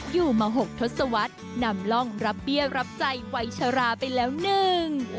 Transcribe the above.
อยู่มหกทศวรรษนำร่องรับเบี้ยรับใจวัยชราไปแล้วหนึ่ง